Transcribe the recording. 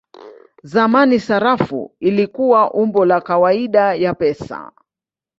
Zamani sarafu ilikuwa umbo la kawaida ya pesa.